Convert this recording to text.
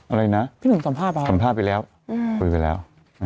อะไรนะสัมภาพหรอสัมภาพไปแล้วไปไปแล้ว